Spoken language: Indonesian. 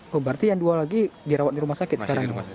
oh berarti yang dua lagi dirawat di rumah sakit sekarang